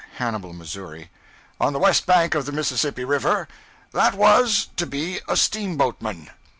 Hannibal, Missouri]} on the west bank of the Mississippi River. That was, to be a steamboatman.